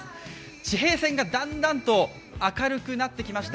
地平線が、だんだんと明るくなってきました。